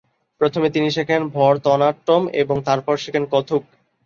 প্রথমে তিনি শেখেন ভরতনাট্যম এবং তারপর শেখেন কত্থক।